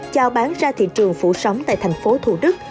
đào bán ra thị trường phủ sóng tại tp thủ đức